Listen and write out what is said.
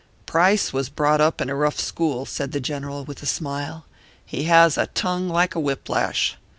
"Price was brought up in a rough school," said the General, with a smile. "He has a tongue like a whip lash.